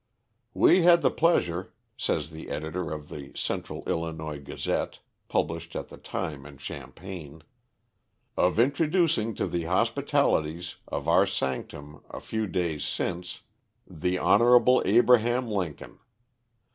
"We had the pleasure," says the editor of the "Central Illinois Gazette", published at the time in Champaign, "of introducing to the hospitalities of our sanctum, a few days since, the Hon. Abraham Lincoln.